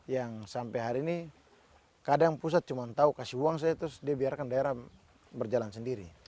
yang sampai hari ini kadang pusat cuma tahu kasih uang saya terus dia biarkan daerah berjalan sendiri